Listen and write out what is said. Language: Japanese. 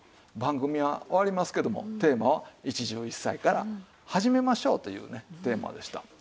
番組は終わりますけどもテーマは「一汁一菜から始めましょう」というテーマでした。